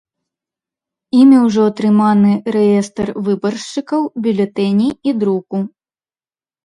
Імі ўжо атрыманы рэестр выбаршчыкаў, бюлетэні і друку.